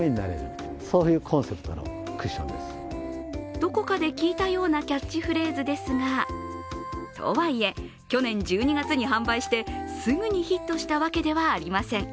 どこかで聞いたようなキャッチフレーズですが、とはいえ、去年１２月に販売してすぐにヒットしたわけではありません。